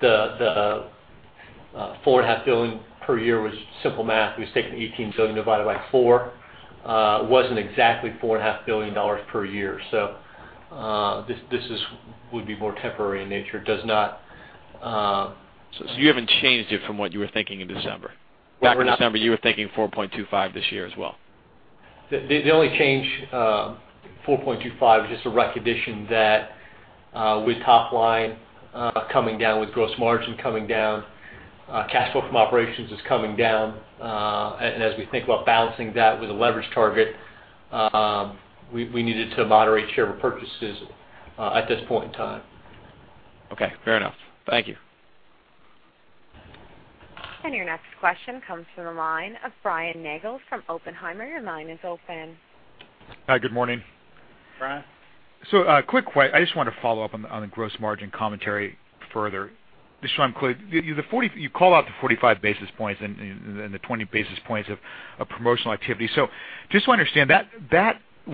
the $4.5 billion per year was simple math. We just taken $18 billion divided by four. It wasn't exactly $4.5 billion per year. This would be more temporary in nature. It does not. You haven't changed it from what you were thinking in December? No, we're not. Back in December, you were thinking 4.25 this year as well. The only change, 4.25, is just a recognition that with top line coming down, with gross margin coming down, cash flow from operations is coming down. As we think about balancing that with a leverage target, we needed to moderate share repurchases at this point in time. Okay. Fair enough. Thank you. Your next question comes from the line of Brian Nagel from Oppenheimer. Your line is open. Hi, good morning. Brian. I just wanted to follow up on the gross margin commentary further. Just so I'm clear, you call out the 45 basis points and the 20 basis points of promotional activity. Just want to understand,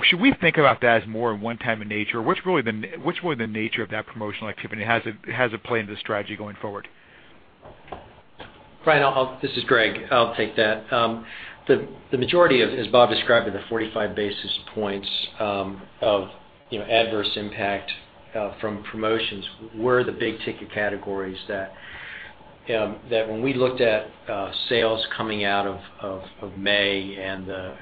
should we think about that as more a one-time in nature? What's really the nature of that promotional activity, and how does it play into the strategy going forward? Brian, this is Greg. I'll take that. The majority of, as Bob described, the 45 basis points of adverse impact from promotions were the big ticket categories that when we looked at sales coming out of May and the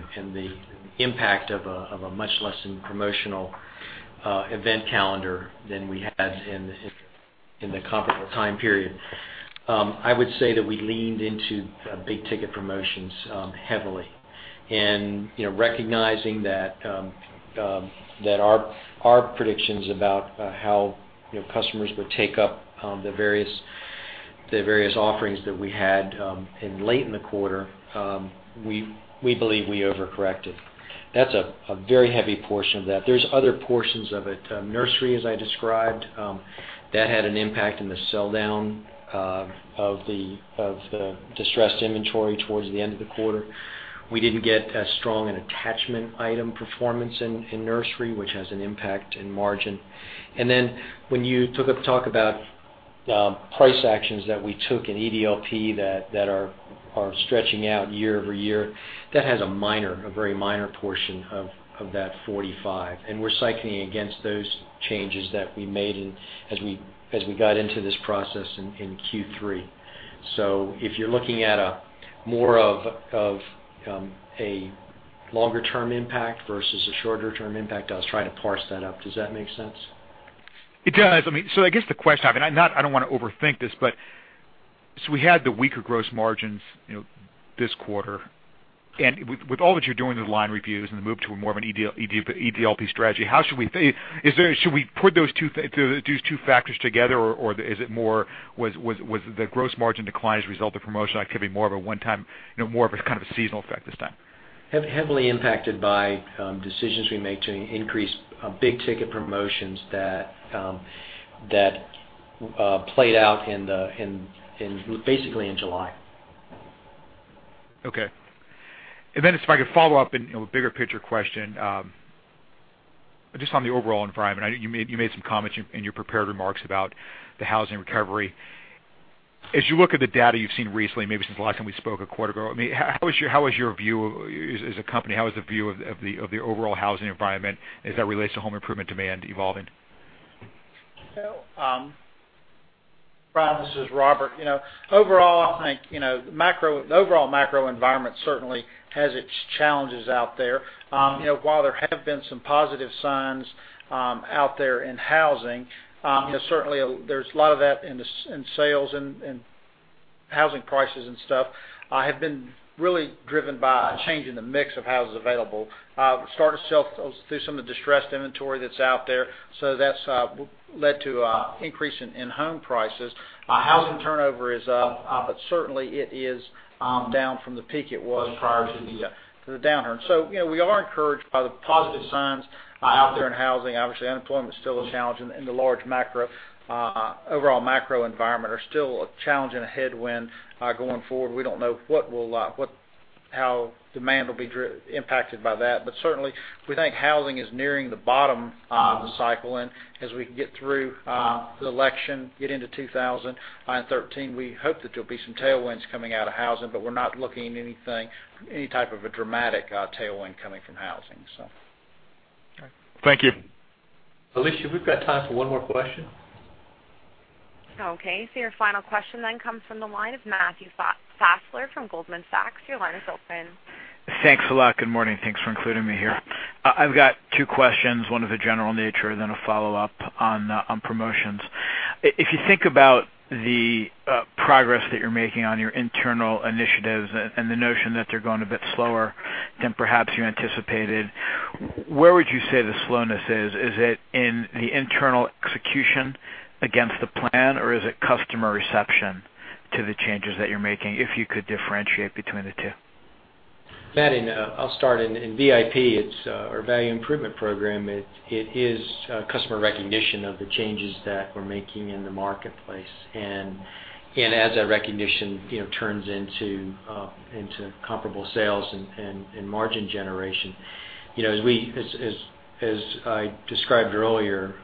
impact of a much less promotional event calendar than we had in the comparable time period. I would say that we leaned into big ticket promotions heavily. Recognizing that our predictions about how customers would take up the various offerings that we had late in the quarter, we believe we overcorrected. That's a very heavy portion of that. There's other portions of it. Nursery, as I described, that had an impact in the sell-down of the distressed inventory towards the end of the quarter. We didn't get as strong an attachment item performance in nursery, which has an impact in margin. When you talk about price actions that we took in EDLP that are stretching out year-over-year, that has a very minor portion of that 45, and we're cycling against those changes that we made as we got into this process in Q3. If you're looking at more of a longer-term impact versus a shorter-term impact, I was trying to parse that out. Does that make sense? It does. I guess the question I have, I don't want to overthink this, we had the weaker gross margins this quarter, and with all that you're doing with the line reviews and the move to more of an EDLP strategy, should we put those two factors together or is it, was the gross margin decline as a result of promotional activity more of a one-time, more of a kind of seasonal effect this time? Heavily impacted by decisions we made to increase big ticket promotions that played out basically in July. Okay. If I could follow up and a bigger picture question, just on the overall environment. You made some comments in your prepared remarks about the housing recovery. As you look at the data you've seen recently, maybe since the last time we spoke a quarter ago, as a company, how is the view of the overall housing environment as that relates to home improvement demand evolving? Brian, this is Robert. Overall, I think, the overall macro environment certainly has its challenges out there. While there have been some positive signs out there in housing, certainly there's a lot of that in sales and housing prices and stuff have been really driven by a change in the mix of houses available. Starter sales through some of the distressed inventory that's out there. That's led to an increase in home prices. Housing turnover is up, but certainly it is down from the peak it was prior to the downturn. We are encouraged by the positive signs out there in housing. Obviously, unemployment is still a challenge in the large macro. Overall macro environment are still a challenge and a headwind going forward. We don't know how demand will be impacted by that. Certainly, we think housing is nearing the bottom of the cycle, as we get through the election, get into 2013, we hope that there'll be some tailwinds coming out of housing, we're not looking at any type of a dramatic tailwind coming from housing, so. Okay. Thank you. Alicia, we've got time for one more question. Okay, your final question then comes from the line of Matthew Fassler from Goldman Sachs. Your line is open. Thanks a lot. Good morning. Thanks for including me here. I have two questions, one of a general nature, then a follow-up on promotions. If you think about the progress that you're making on your internal initiatives and the notion that they're going a bit slower than perhaps you anticipated, where would you say the slowness is? Is it in the internal execution against the plan, or is it customer reception to the changes that you're making, if you could differentiate between the two? Matt, I'll start. In VIP, our Value Improvement Program, it is customer recognition of the changes that we're making in the marketplace as that recognition turns into comparable sales and margin generation. As I described earlier,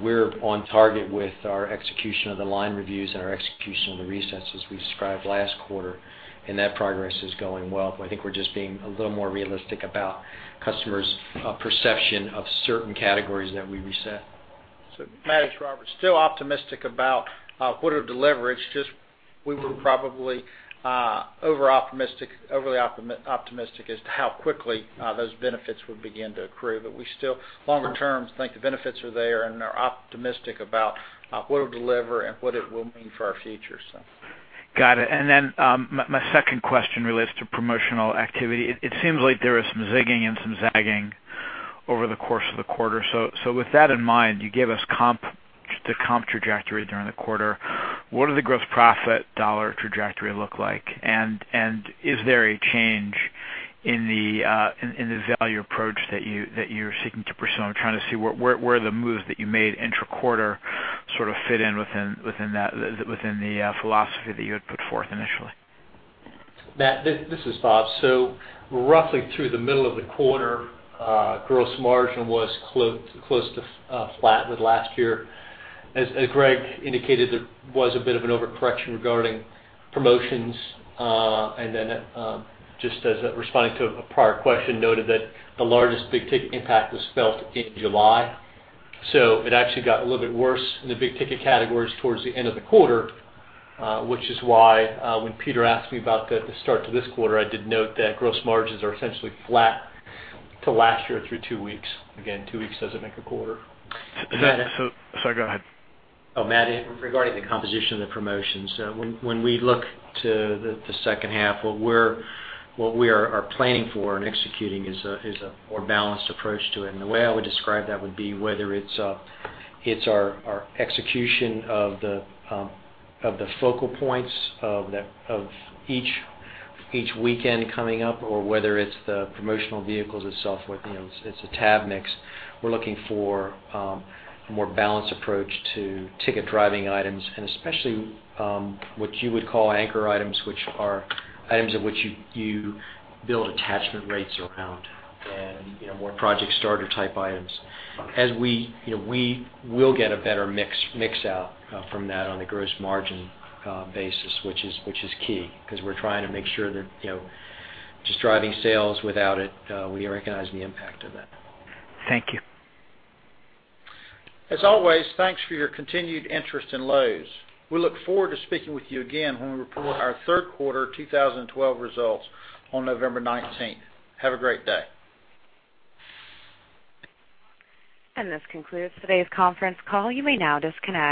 we're on target with our execution of the line reviews and our execution of the resets as we described last quarter, that progress is going well. I think we're just being a little more realistic about customers' perception of certain categories that we reset. Matt, it's Robert. Still optimistic about what it'll deliver, it's just we were probably overly optimistic as to how quickly those benefits would begin to accrue. We still, longer term, think the benefits are there, and are optimistic about what it'll deliver and what it will mean for our future. Got it. My second question relates to promotional activity. It seems like there is some zigging and some zagging over the course of the quarter. With that in mind, you gave us the comp trajectory during the quarter. What did the gross profit dollar trajectory look like? Is there a change in the value approach that you're seeking to pursue? I'm trying to see where the moves that you made intra-quarter sort of fit in within the philosophy that you had put forth initially. Matthew, this is Bob. Roughly through the middle of the quarter, gross margin was close to flat with last year. As Greg indicated, there was a bit of an overcorrection regarding promotions, just as responding to a prior question, noted that the largest big-ticket impact was felt in July. It actually got a little bit worse in the big-ticket categories towards the end of the quarter, which is why when Peter asked me about the start to this quarter, I did note that gross margins are essentially flat to last year through two weeks. Again, two weeks doesn't make a quarter. Matt- Go ahead. Oh, Matthew, regarding the composition of the promotions, when we look to the second half, what we are planning for and executing is a more balanced approach to it. The way I would describe that would be whether it's our execution of the focal points of each weekend coming up or whether it's the promotional vehicles itself, it's an ad mix. We're looking for a more balanced approach to ticket-driving items, especially what you would call anchor items, which are items in which you build attachment rates around and more project starter type items. We will get a better mix out from that on a gross margin basis, which is key, because we're trying to make sure that just driving sales without it, we recognize the impact of that. Thank you. As always, thanks for your continued interest in Lowe's. We look forward to speaking with you again when we report our third quarter 2012 results on November 19th. Have a great day. This concludes today's conference call. You may now disconnect.